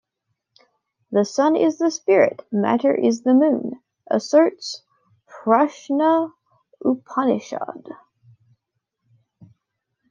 The sun is the spirit, matter is the moon, asserts Prashna Upanishad.